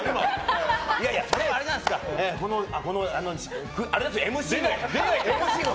それはあれじゃないですかＭＣの。